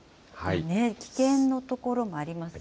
危険の所もありますよね。